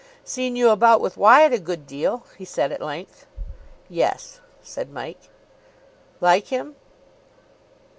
"Seen you about with Wyatt a good deal," he said at length. "Yes," said Mike. "Like him?"